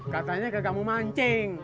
katanya gak mau mancing